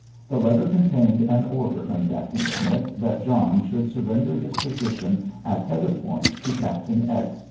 The letter contained an order from Dacent Smith that John should surrender his position at Heatherpoint to Captain X.